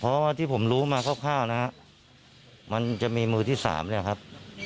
เพราะว่าที่ผมรู้มาคร่าวนะครับมันจะมีมือที่๓เนี่ยครับ